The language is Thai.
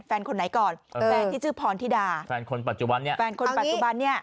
แฟนคนไหนก่อนแฟนที่ชื่อพรธิดาแฟนคนปัจจุบันเนี่ย